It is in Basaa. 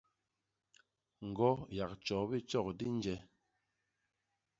Ñgo yak tjobi tjok di nje.